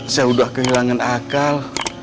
saya udah kehilangan akal